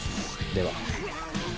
では。